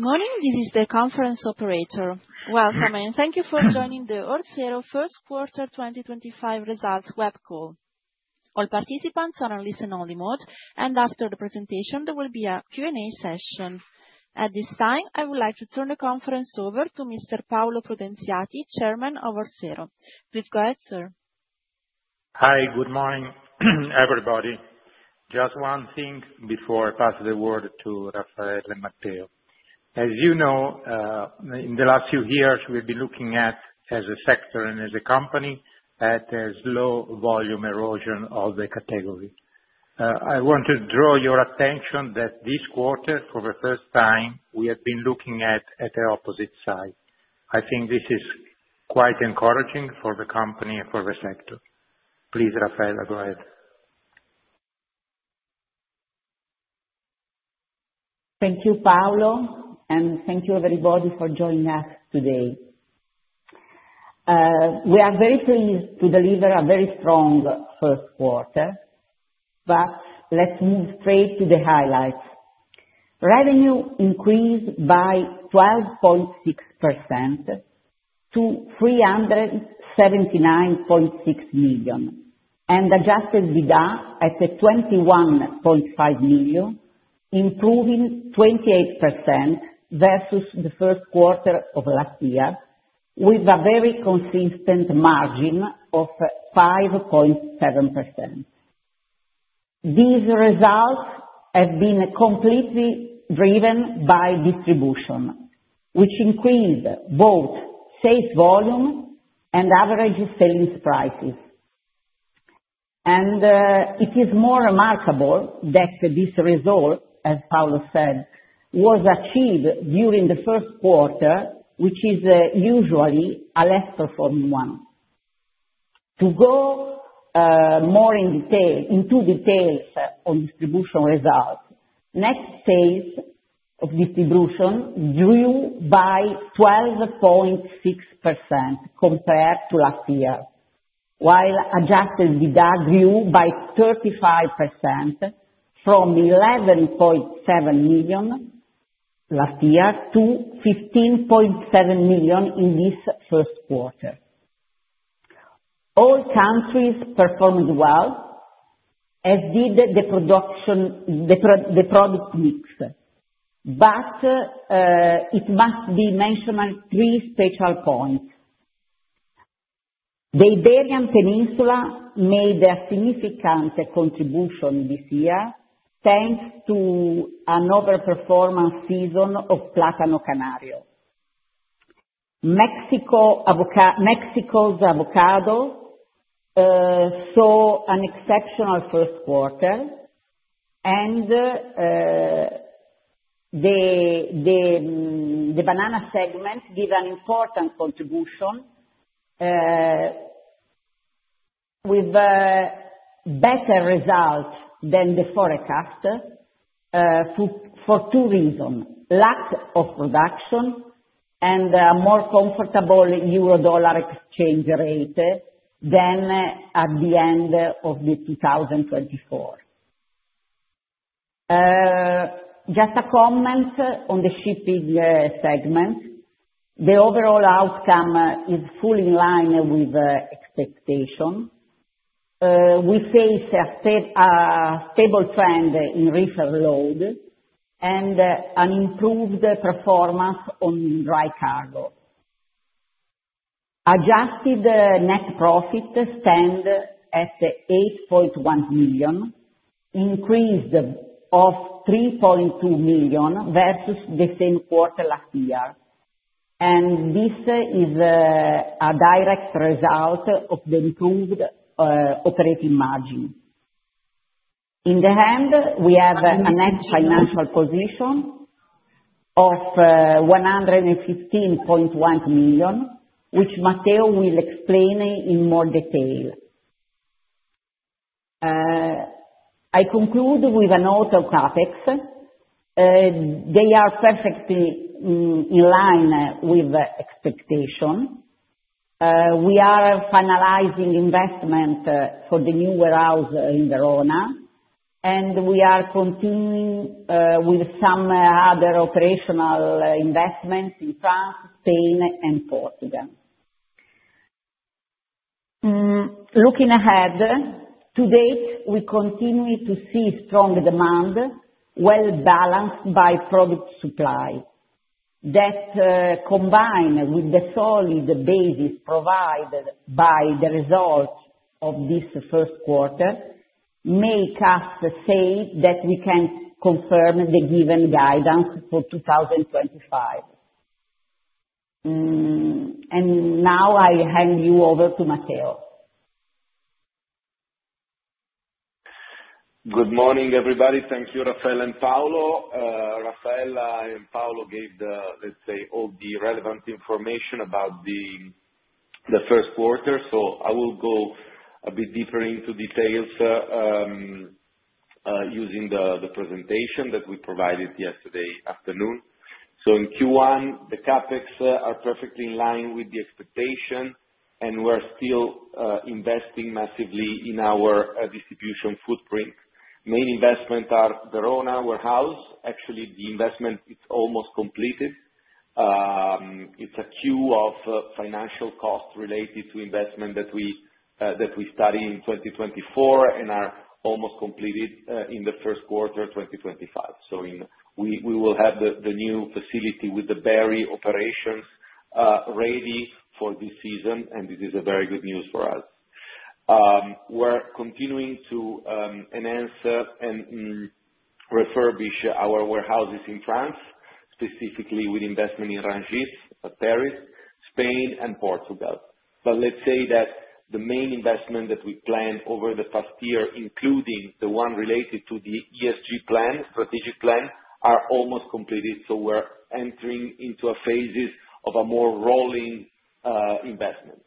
Good morning, this is the conference operator. Welcome, and thank you for joining the Orsero First Quarter 2025 results web call. All participants are on listen-only mode, and after the presentation, there will be a Q&A session. At this time, I would like to turn the conference over to Mr. Paolo Prudenziati, Chairman of Orsero. Please go ahead, sir. Hi, good morning, everybody. Just one thing before I pass the word to Raffaella and Matteo. As you know, in the last few years, we've been looking at, as a sector and as a company, at the slow volume erosion of the category. I want to draw your attention that this quarter, for the first time, we have been looking at the opposite side. I think this is quite encouraging for the company and for the sector. Please, Raffaella, go ahead. Thank you, Paolo, and thank you, everybody, for joining us today. We are very pleased to deliver a very strong first quarter, but let's move straight to the highlights. Revenue increased by 12.6% to 379.6 million, and adjusted EBITDA at 21.5 million, improving 28% versus the first quarter of last year, with a very consistent margin of 5.7%. These results have been completely driven by distribution, which increased both sales volume and average selling prices. It is more remarkable that this result, as Paolo said, was achieved during the first quarter, which is usually a less performing one. To go more into details on distribution results, net sales of distribution grew by 12.6% compared to last year, while adjusted EBITDA grew by 35% from 11.7 million last year to 15.7 million in this first quarter. All countries performed well, as did the product mix. It must be mentioned three special points. The Iberian Peninsula made a significant contribution this year, thanks to an overperformance season of Plátano Canario. Mexico's avocado saw an exceptional first quarter, and the banana segment did an important contribution, with better results than the forecast for two reasons: lack of production and a more comfortable EUR/USD exchange rate than at the end of 2024. Just a comment on the shipping segment. The overall outcome is fully in line with expectations. We face a stable trend in reefer load and an improved performance on dry cargo. Adjusted net profit stands at 8.1 million, increased of 3.2 million versus the same quarter last year. This is a direct result of the improved operating margin. In the end, we have a net financial position of 115.1 million, which Matteo will explain in more detail. I conclude with a note on CapEx. They are perfectly in line with expectations. We are finalizing investment for the new warehouse in Verona, and we are continuing with some other operational investments in France, Spain, and Portugal. Looking ahead, to date, we continue to see strong demand, well-balanced by product supply. That combined with the solid basis provided by the results of this first quarter makes us say that we can confirm the given guidance for 2025. I hand you over to Matteo. Good morning, everybody. Thank you, Raffaella and Paolo. Raffaella and Paolo gave, let's say, all the relevant information about the first quarter. I will go a bit deeper into details using the presentation that we provided yesterday afternoon. In Q1, the CapEx are perfectly in line with the expectation, and we're still investing massively in our distribution footprint. Main investment is Verona warehouse. Actually, the investment is almost completed. It's a queue of financial costs related to investment that we study in 2024 and are almost completed in the first quarter of 2025. We will have the new facility with the berry operations ready for this season, and this is very good news for us. We're continuing to enhance and refurbish our warehouses in France, specifically with investment in Rungis, Paris, Spain, and Portugal. Let's say that the main investment that we planned over the past year, including the one related to the ESG plan, strategic plan, is almost completed. We are entering into a phase of a more rolling investment.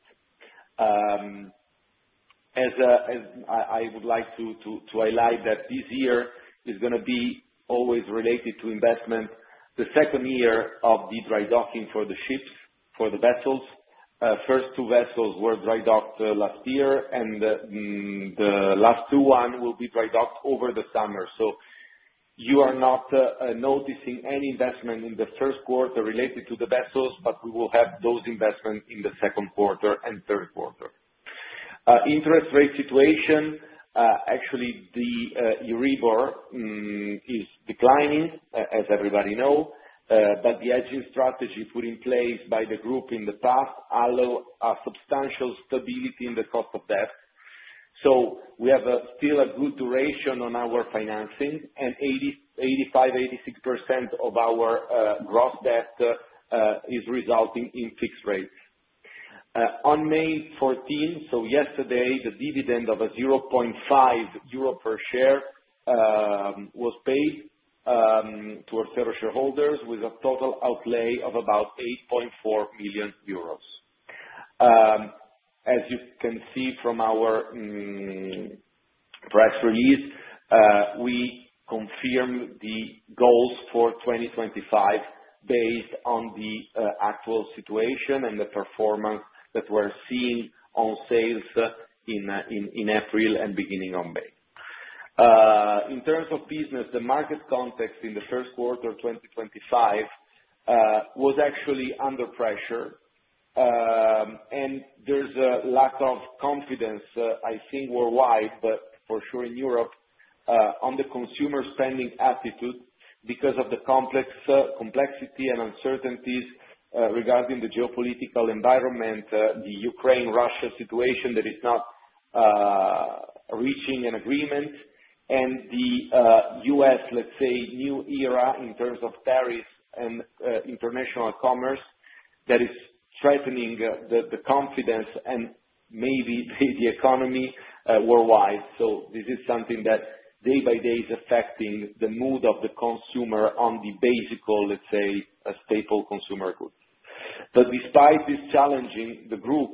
I would like to highlight that this year is going to be always related to investment. The second year of the dry docking for the ships, for the vessels. The first two vessels were dry docked last year, and the last two will be dry docked over the summer. You are not noticing any investment in the first quarter related to the vessels, but we will have those investments in the second quarter and third quarter. Interest rate situation, actually, the Euribor is declining, as everybody knows, but the hedging strategy put in place by the group in the past allowed a substantial stability in the cost of debt. We have still a good duration on our financing, and 85%-86% of our gross debt is resulting in fixed rates. On May 14, so yesterday, the dividend of 0.5 euro per share was paid to Orsero shareholders with a total outlay of about 8.4 million euros. As you can see from our press release, we confirmed the goals for 2025 based on the actual situation and the performance that we're seeing on sales in April and beginning of May. In terms of business, the market context in the first quarter of 2025 was actually under pressure, and there's a lack of confidence, I think, worldwide, but for sure in Europe, on the consumer spending attitude because of the complexity and uncertainties regarding the geopolitical environment, the Ukraine-Russia situation that is not reaching an agreement, and the U.S., let's say, new era in terms of tariffs and international commerce that is threatening the confidence and maybe the economy worldwide. This is something that day by day is affecting the mood of the consumer on the basic, let's say, staple consumer goods. Despite this challenging, the group,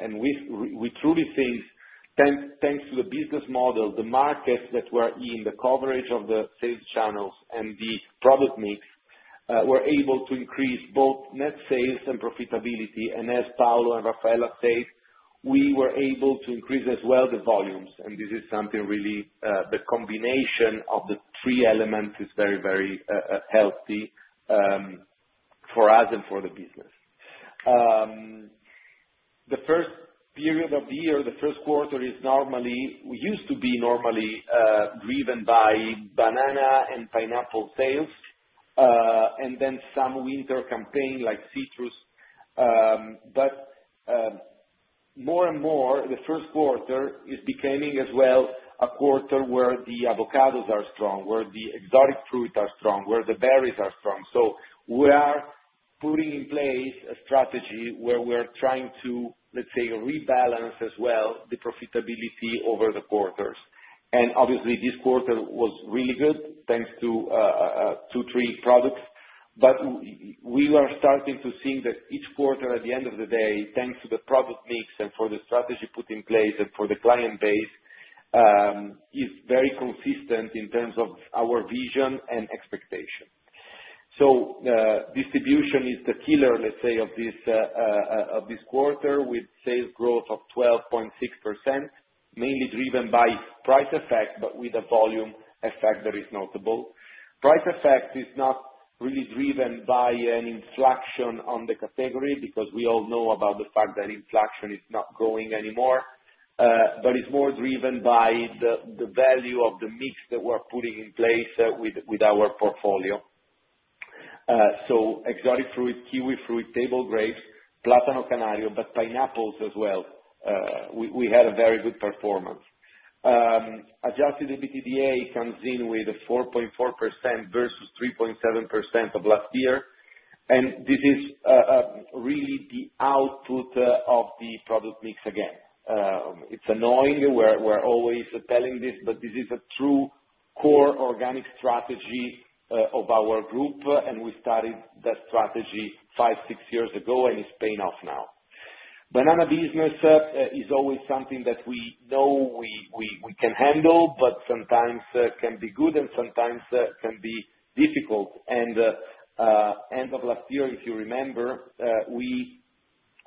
and we truly think thanks to the business model, the markets that were in the coverage of the sales channels and the product mix, were able to increase both net sales and profitability. As Paolo and Raffaella said, we were able to increase as well the volumes. This is something really the combination of the three elements is very, very healthy for us and for the business. The first period of the year, the first quarter, used to be normally driven by banana and pineapple sales, and then some winter campaign like citrus. More and more, the first quarter is becoming as well a quarter where the avocados are strong, where the exotic fruits are strong, where the berries are strong. We are putting in place a strategy where we're trying to, let's say, rebalance as well the profitability over the quarters. Obviously, this quarter was really good, thanks to two or three products. We are starting to see that each quarter, at the end of the day, thanks to the product mix and for the strategy put in place and for the client base, is very consistent in terms of our vision and expectation. Distribution is the killer, let's say, of this quarter with sales growth of 12.6%, mainly driven by price effect, but with a volume effect that is notable. Price effect is not really driven by an inflation on the category because we all know about the fact that inflation is not growing anymore, but it is more driven by the value of the mix that we are putting in place with our portfolio. Exotic fruit, kiwi fruit, table grapes, Plátano Canario, but pineapples as well. We had a very good performance. Adjusted EBITDA comes in with a 4.4% versus 3.7% of last year. This is really the output of the product mix again. It's annoying. We're always telling this, but this is a true core organic strategy of our group, and we started the strategy five, six years ago, and it's paying off now. Banana business is always something that we know we can handle, but sometimes can be good and sometimes can be difficult. At the end of last year, if you remember, we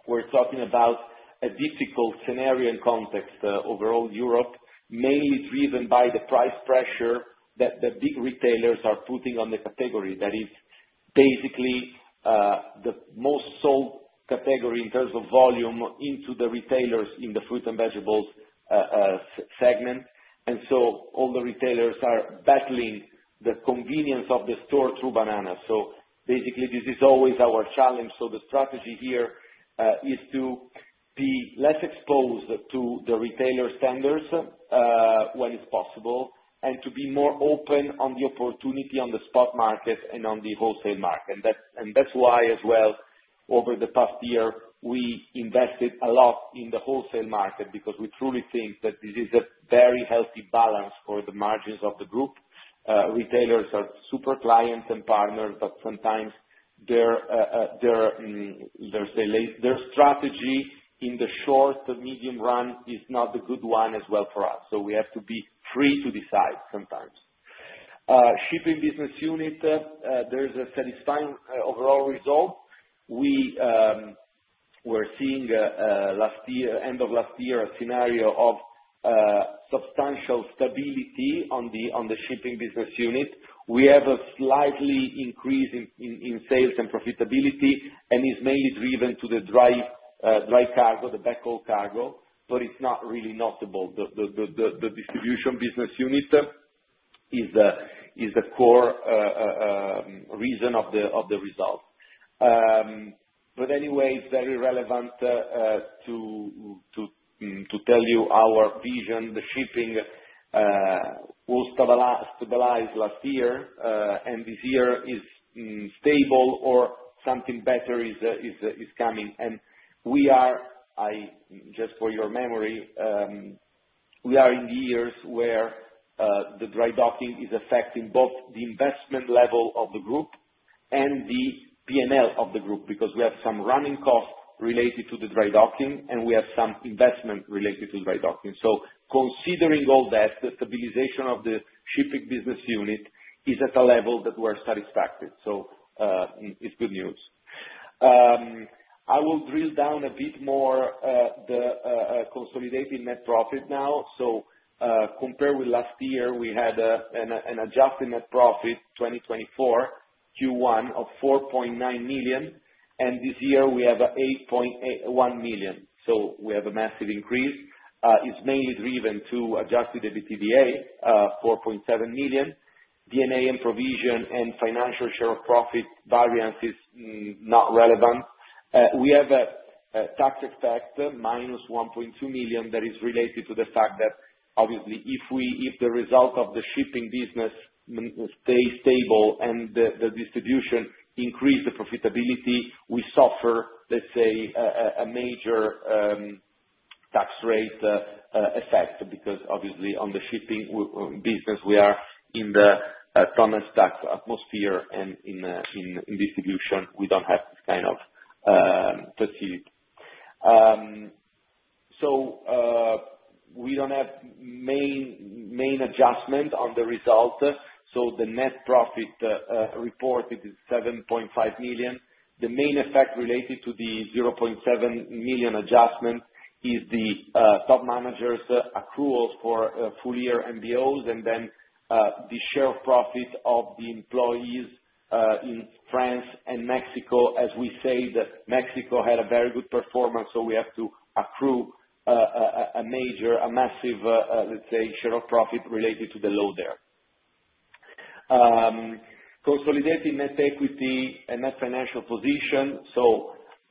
were talking about a difficult scenario and context overall Europe, mainly driven by the price pressure that the big retailers are putting on the category. That is basically the most sold category in terms of volume into the retailers in the fruit and vegetables segment. All the retailers are battling the convenience of the store through bananas. This is always our challenge. The strategy here is to be less exposed to the retailer standards when it's possible and to be more open on the opportunity on the spot market and on the wholesale market. That's why as well, over the past year, we invested a lot in the wholesale market because we truly think that this is a very healthy balance for the margins of the group. Retailers are super clients and partners, but sometimes their strategy in the short to medium run is not the good one as well for us. We have to be free to decide sometimes. Shipping business unit, there's a satisfying overall result. We were seeing last year, end of last year, a scenario of substantial stability on the shipping business unit. We have a slight increase in sales and profitability, and it's mainly driven to the dry cargo, the backhaul cargo, but it's not really notable. The distribution business unit is the core reason of the result. Anyway, it's very relevant to tell you our vision. The shipping was stabilized last year, and this year is stable or something better is coming. We are, just for your memory, in years where the dry docking is affecting both the investment level of the group and the P&L of the group because we have some running costs related to the dry docking, and we have some investment related to dry docking. Considering all that, the stabilization of the shipping business unit is at a level that we're satisfied with. It's good news. I will drill down a bit more the consolidated net profit now. Compared with last year, we had an adjusted net profit 2024 Q1 of 4.9 million, and this year we have 8.1 million. We have a massive increase. It is mainly driven to adjusted EBITDA, 4.7 million. DNA and provision and financial share of profit variance is not relevant. We have a tax effect, minus 1.2 million, that is related to the fact that obviously if the result of the shipping business stays stable and the distribution increases the profitability, we suffer, let's say, a major tax rate effect because obviously on the shipping business, we are in the tonnage tax atmosphere, and in distribution, we do not have this kind of fatigue. We do not have main adjustment on the result. The net profit reported is 7.5 million. The main effect related to the 0.7 million adjustment is the top managers' accruals for full-year MBOs and then the share of profit of the employees in France and Mexico. As we say, Mexico had a very good performance, so we have to accrue a major, a massive, let's say, share of profit related to the load there. Consolidated net equity and net financial position.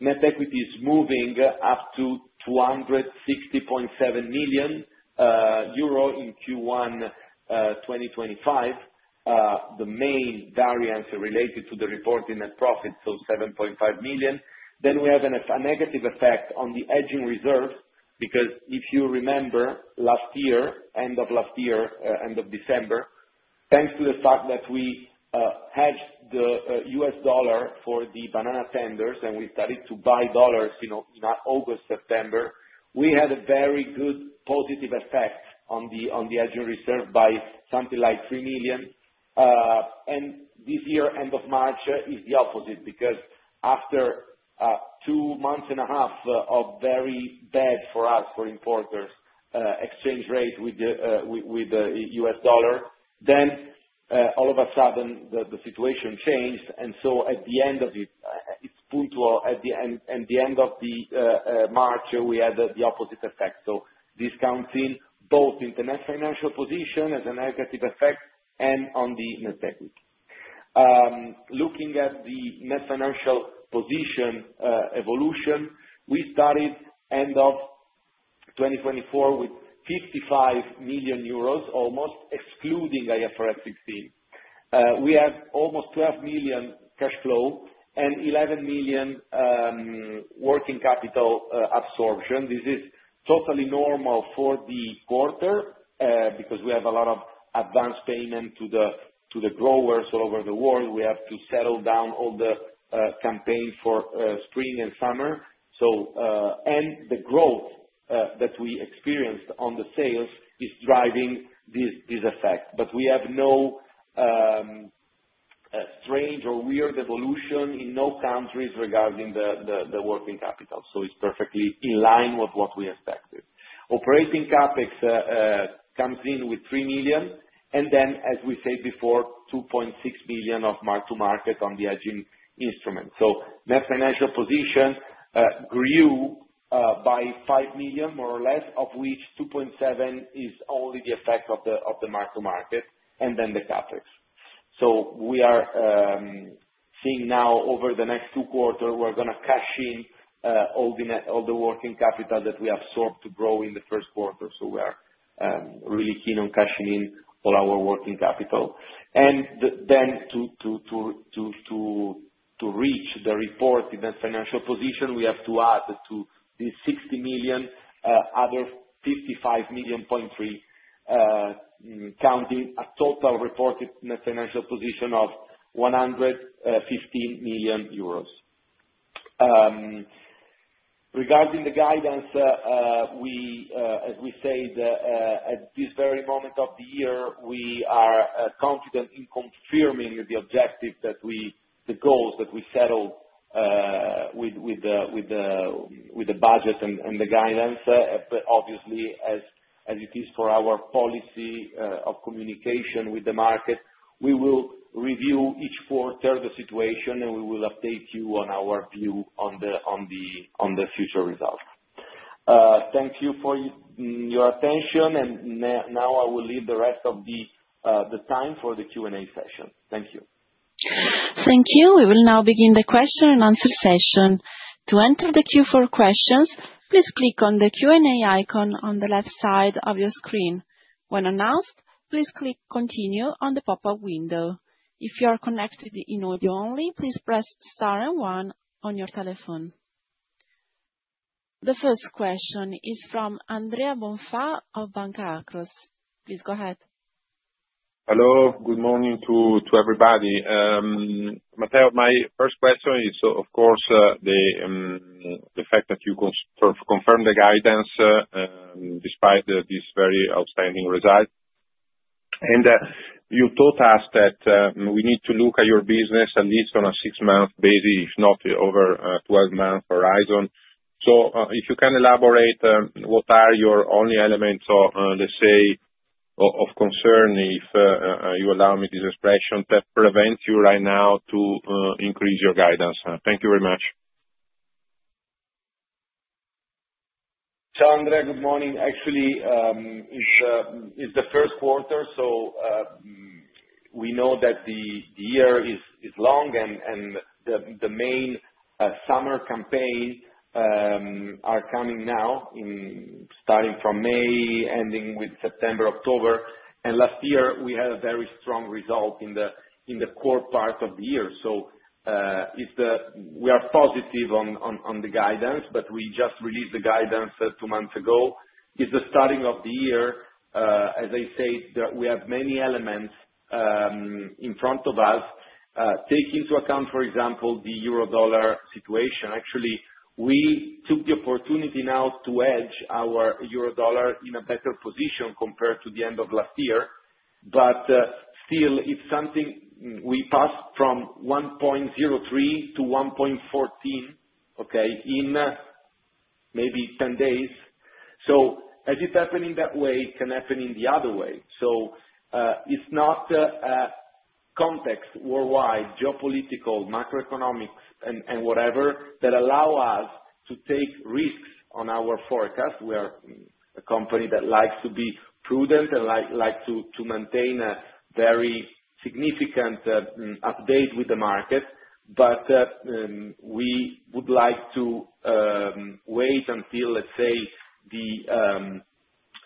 Net equity is moving up to 260.7 million euro in Q1 2025. The main variance related to the reported net profit, so 7.5 million. We have a negative effect on the hedging reserves because if you remember last year, end of last year, end of December, thanks to the fact that we hedged the US dollar for the banana tenders and we started to buy dollars in August, September, we had a very good positive effect on the hedging reserve by something like 3 million. This year, end of March, is the opposite because after two months and a half of very bad for us, for importers, exchange rate with the US dollar, the situation changed. At the end of it, it is punctual at the end of March, we had the opposite effect. This comes in both in the net financial position as a negative effect and on the net equity. Looking at the net financial position evolution, we started end of 2024 with 55 million euros, almost excluding IFRS 16. We have almost 12 million cash flow and 11 million working capital absorption. This is totally normal for the quarter because we have a lot of advance payment to the growers all over the world. We have to settle down all the campaigns for spring and summer. The growth that we experienced on the sales is driving this effect. We have no strange or weird evolution in no countries regarding the working capital. It is perfectly in line with what we expected. Operating CapEx comes in with 3 million. As we said before, 2.6 million of mark-to-market on the hedging instrument. Net financial position grew by 5 million, more or less, of which 2.7 million is only the effect of the mark-to- market and then the CapEx. We are seeing now over the next two quarters, we are going to cash in all the working capital that we absorbed to grow in the first quarter. We are really keen on cashing in all our working capital. To reach the reported net financial position, we have to add to the 60 million, another 55.3 million, counting a total reported net financial position of 115 million euros. Regarding the guidance, as we said, at this very moment of the year, we are confident in confirming the objectives that we, the goals that we settled with the budget and the guidance. Obviously, as it is for our policy of communication with the market, we will review each quarter the situation, and we will update you on our view on the future results. Thank you for your attention. Now I will leave the rest of the time for the Q&A session. Thank you. Thank you. We will now begin the question and answer session. To enter the Q4 questions, please click on the Q&A icon on the left side of your screen. When announced, please click Continue on the pop-up window. If you are connected in audio only, please press Star and 1 on your telephone. The first question is from Andrea Bonfà of Banca Akros. Please go ahead. Hello. Good morning to everybody. Matteo, my first question is, of course, the fact that you confirmed the guidance despite this very outstanding result. You told us that we need to look at your business at least on a six-month basis, if not over a 12-month horizon. If you can elaborate what are your only elements of, let's say, of concern, if you allow me this expression, that prevents you right now to increase your guidance. Thank you very much. Ciao Andrea, good morning. Actually, it's the first quarter, so we know that the year is long, and the main summer campaigns are coming now, starting from May, ending with September, October. Last year, we had a very strong result in the core part of the year. We are positive on the guidance, but we just released the guidance two months ago. It's the starting of the year. As I said, we have many elements in front of us. Take into account, for example, the euro-dollar situation. Actually, we took the opportunity now to hedge our EUR/USD in a better position compared to the end of last year. Still, it's something we passed from 1.03 to 1.14, okay, in maybe 10 days. As it's happening that way, it can happen in the other way. It's not context worldwide, geopolitical, macroeconomics, and whatever that allow us to take risks on our forecast. We are a company that likes to be prudent and likes to maintain a very significant update with the market. We would like to wait until, let's say, the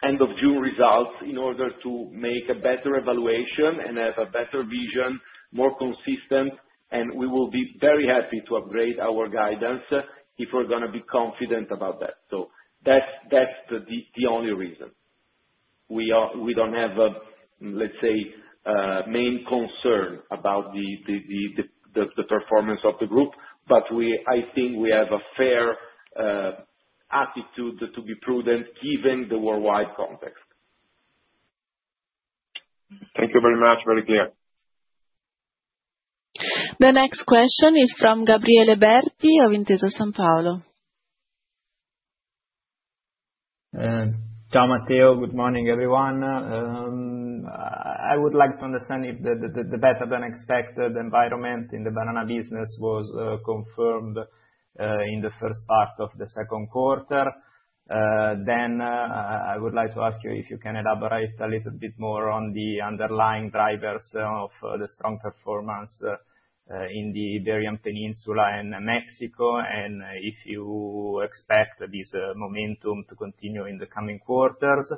end of June results in order to make a better evaluation and have a better vision, more consistent. We will be very happy to upgrade our guidance if we're going to be confident about that. That's the only reason. We don't have, let's say, main concern about the performance of the group, but I think we have a fair attitude to be prudent given the worldwide context. Thank you very much. Very clear. The next question is from Gabriele Berti of Intesa Sanpaolo. Ciao Matteo, good morning everyone. I would like to understand if the better than expected environment in the banana business was confirmed in the first part of the second quarter. I would like to ask you if you can elaborate a little bit more on the underlying drivers of the strong performance in the Iberian Peninsula and Mexico, and if you expect this momentum to continue in the coming quarters.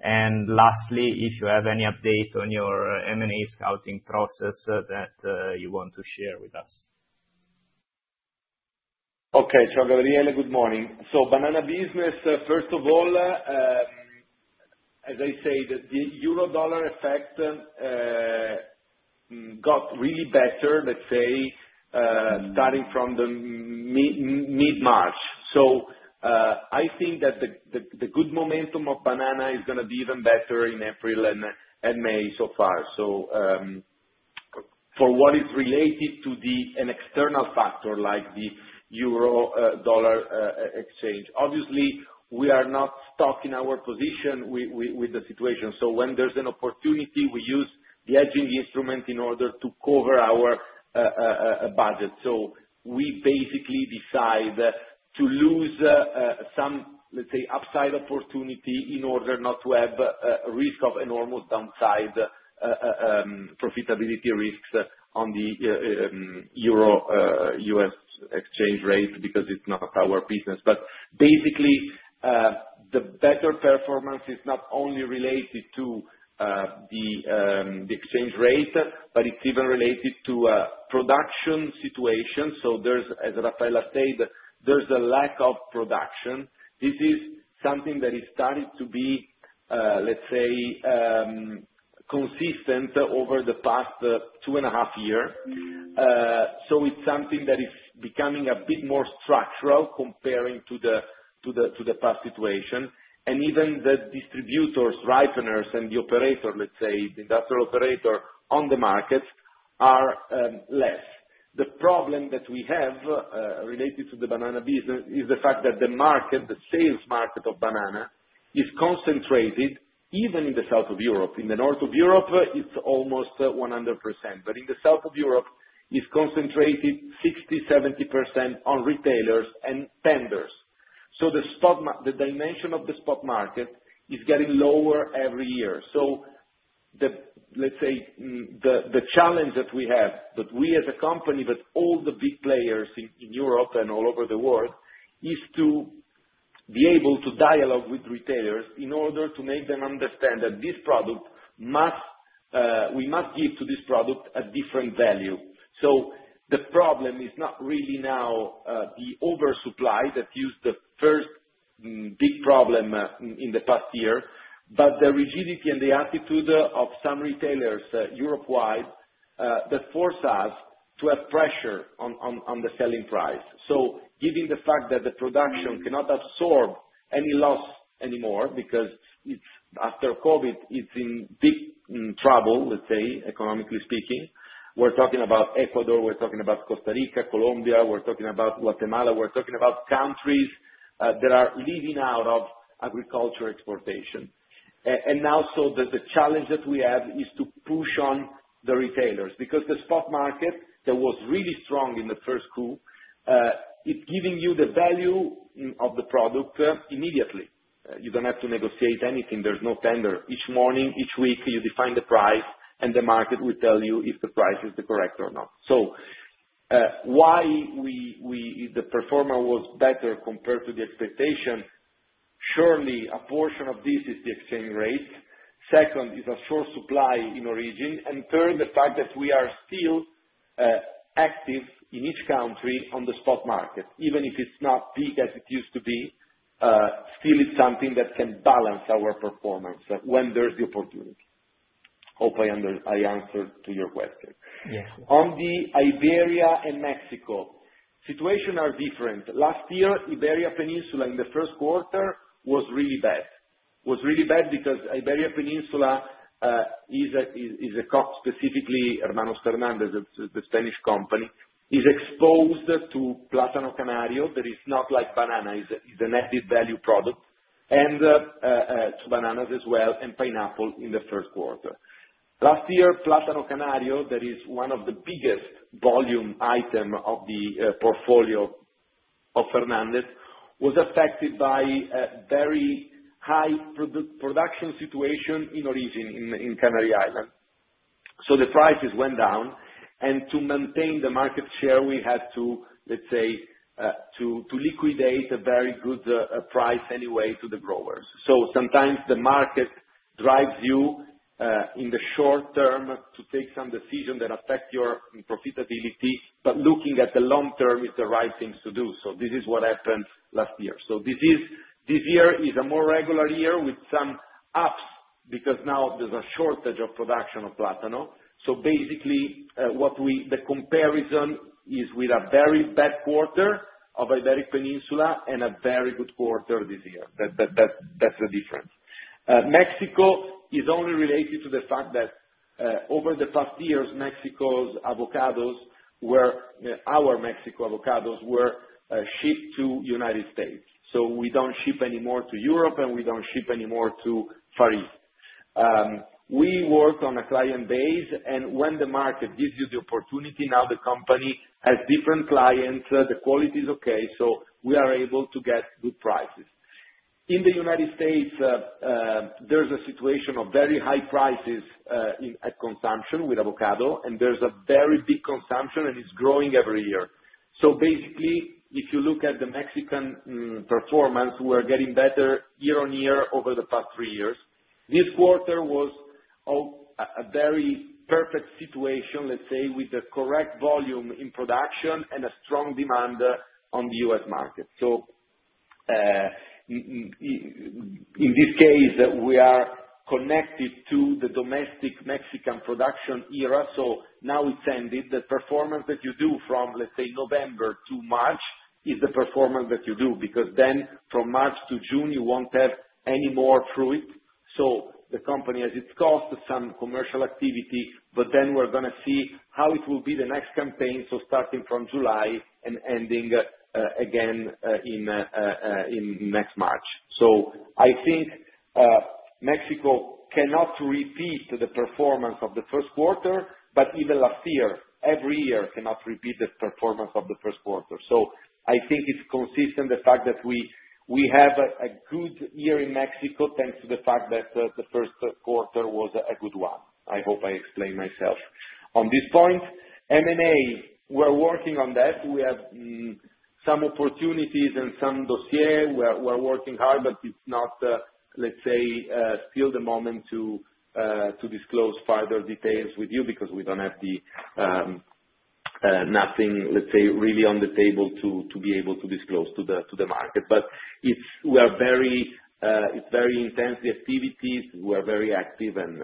Lastly, if you have any update on your M&A scouting process that you want to share with us. Okay. Ciao Gabriele, good morning. So banana business, first of all, as I said, the euro-dollar effect got really better, let's say, starting from mid-March. I think that the good momentum of banana is going to be even better in April and May so far. For what is related to an external factor like the EUR/USD exchange, obviously, we are not stuck in our position with the situation. When there's an opportunity, we use the hedging instrument in order to cover our budget. We basically decide to lose some, let's say, upside opportunity in order not to have a risk of enormous downside profitability risks on the EUR/USD exchange rate because it's not our business. Basically, the better performance is not only related to the exchange rate, but it's even related to production situation. As Raffaella said, there's a lack of production. This is something that is starting to be, let's say, consistent over the past two and a half years. It is something that is becoming a bit more structural comparing to the past situation. Even the distributors, ripeners, and the operator, let's say, the industrial operator on the markets are less. The problem that we have related to the banana business is the fact that the market, the sales market of banana, is concentrated even in the south of Europe. In the north of Europe, it is almost 100%. In the south of Europe, it is concentrated 60-70% on retailers and tenders. The dimension of the spot market is getting lower every year. Let's say the challenge that we have, that we as a company, but all the big players in Europe and all over the world, is to be able to dialogue with retailers in order to make them understand that we must give to this product a different value. The problem is not really now the oversupply that used to be the first big problem in the past year, but the rigidity and the attitude of some retailers worldwide that force us to have pressure on the selling price. Given the fact that the production cannot absorb any loss anymore because after COVID, it's in big trouble, let's say, economically speaking. We're talking about Ecuador, we're talking about Costa Rica, Colombia, we're talking about Guatemala, we're talking about countries that are living out of agriculture exportation. The challenge that we have is to push on the retailers because the spot market that was really strong in the first couple, it is giving you the value of the product immediately. You do not have to negotiate anything. There is no tender. Each morning, each week, you define the price, and the market will tell you if the price is correct or not. Why the performer was better compared to the expectation, surely a portion of this is the exchange rate. Second, it is a short supply in origin. Third, the fact that we are still active in each country on the spot market, even if it is not as big as it used to be, still it is something that can balance our performance when there is the opportunity. Hope I answered your question. On the Iberia and Mexico, situations are different. Last year, Iberian Peninsula in the first quarter was really bad. Was really bad because Iberian Peninsula is, specifically Hermanos Fernandez, the Spanish company, is exposed to Plátano Canario that is not like banana. It's an added value product. And to bananas as well and pineapple in the third quarter. Last year, Plátano Canario, that is one of the biggest volume items of the portfolio of Fernandez, was affected by a very high production situation in origin in Canary Islands. The prices went down. To maintain the market share, we had to, let's say, to liquidate a very good price anyway to the growers. Sometimes the market drives you in the short term to take some decisions that affect your profitability, but looking at the long term is the right thing to do. This is what happened last year. This year is a more regular year with some ups because now there's a shortage of production of Plátano. Basically, the comparison is with a very bad quarter of Iberian Peninsula and a very good quarter this year. That's the difference. Mexico is only related to the fact that over the past years, Mexico's avocados or our Mexico avocados were shipped to the United States. We don't ship anymore to Europe, and we don't ship anymore to Paris. We work on a client base, and when the market gives you the opportunity, now the company has different clients, the quality is okay, so we are able to get good prices. In the United States, there's a situation of very high prices at consumption with avocado, and there's a very big consumption, and it's growing every year. Basically, if you look at the Mexican performance, we're getting better year on year over the past three years. This quarter was a very perfect situation, let's say, with the correct volume in production and a strong demand on the U.S. market. In this case, we are connected to the domestic Mexican production era. Now it's ended. The performance that you do from, let's say, November to March is the performance that you do because then from March to June, you won't have any more fruit. The company has its cost, some commercial activity, but then we're going to see how it will be the next campaign, starting from July and ending again in next March. I think Mexico cannot repeat the performance of the first quarter, but even last year, every year cannot repeat the performance of the first quarter. I think it's consistent, the fact that we have a good year in Mexico thanks to the fact that the first quarter was a good one. I hope I explained myself. On this point, M&A, we're working on that. We have some opportunities and some dossier. We're working hard, but it's not, let's say, still the moment to disclose further details with you because we don't have nothing, let's say, really on the table to be able to disclose to the market. It's very intense activities. We're very active and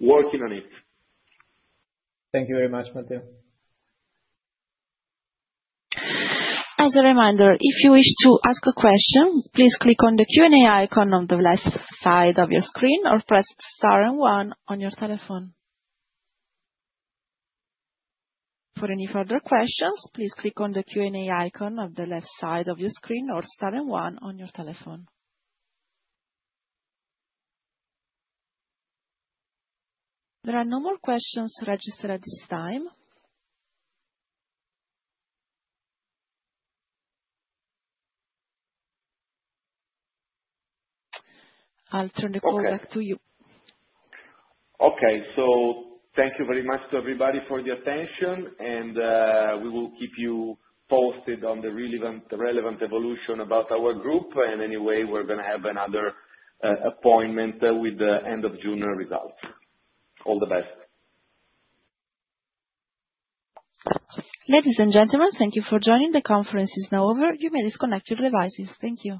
working on it. Thank you very much, Matteo. As a reminder, if you wish to ask a question, please click on the Q&A icon on the left side of your screen or press Star and 1 on your telephone. For any further questions, please click on the Q&A icon on the left side of your screen or Star and 1 on your telephone. There are no more questions registered at this time. I'll turn the call back to you. Okay. Thank you very much to everybody for the attention, and we will keep you posted on the relevant evolution about our group. Anyway, we're going to have another appointment with the end of June results. All the best. Ladies and gentlemen, thank you for joining. The conference is now over. You may disconnect your devices. Thank you.